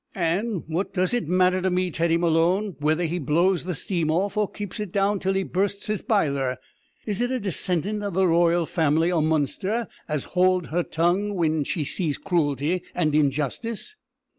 "An' what does it matter to me, Teddy Malone, whether he blows the steam off, or keeps it down till he bursts his biler? Is it a descendant o' the royal family o' Munster as'll howld her tongue whin she sees cruelty and injustice?"